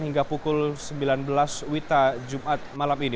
hingga pukul sembilan belas wita jumat malam ini